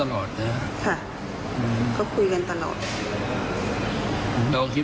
แล้วคุณแม่ก็บอกอีกด้วยนะครับ